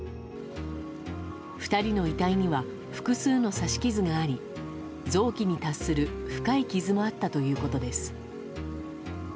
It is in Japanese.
２人の遺体には複数の刺し傷があり臓器に達する深い傷もあったということです。